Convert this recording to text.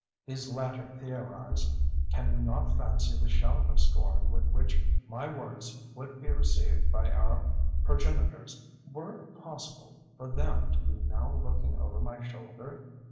These latter theorize. Can you not fancy the shout of scorn with which my words would be received by our progenitors were it possible for them to be now looking over my shoulder?